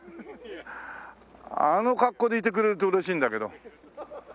あの格好でいてくれると嬉しいんだけど。